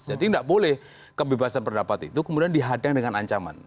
jadi nggak boleh kebebasan pendapat itu kemudian dihadang dengan ancaman